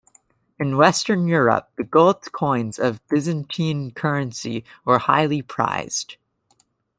In Western Europe, the gold coins of Byzantine currency were highly prized.